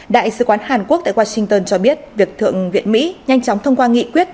đại sứ quán hàn quốc tại washington cho biết việc thượng viện mỹ nhanh chóng thông qua nghị quyết